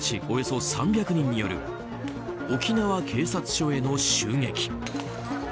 およそ３００人による沖縄警察署への襲撃。